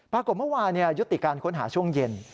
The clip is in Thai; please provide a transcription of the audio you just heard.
ปรากฏเมื่อวานยุติการค้นหาช่วงเย็น